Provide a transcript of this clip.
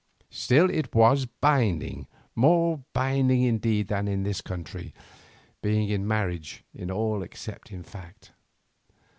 Still it was binding, more binding indeed than in this country, being a marriage in all except in fact.